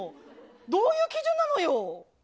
どういう基準なのよ。